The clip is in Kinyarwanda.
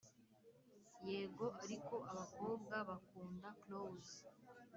yego ariko abakobwa bakunda clows